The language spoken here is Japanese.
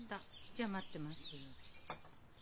じゃあ待ってます。